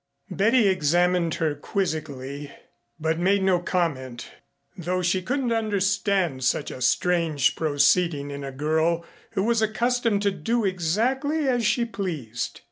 Betty examined her quizzically but made no comment, though she couldn't understand such a strange proceeding in a girl who was accustomed to do exactly as she pleased.